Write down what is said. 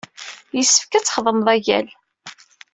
Yessefk ad txedmeḍ agal.